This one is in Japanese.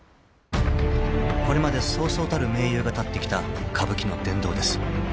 ［これまでそうそうたる名優が立ってきた歌舞伎の殿堂です］